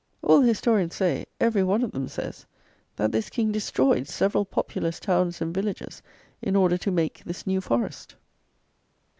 All the historians say, every one of them says, that this King destroyed several populous towns and villages in order to make this New Forest.